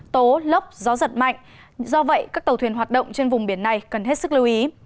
tố lốc gió giật mạnh do vậy các tàu thuyền hoạt động trên vùng biển này cần hết sức lưu ý